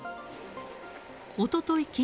おととい